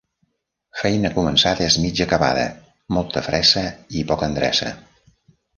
Feina començada és mig acabada Molta fressa i poca endreça